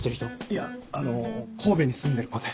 いやあの神戸に住んでる子で。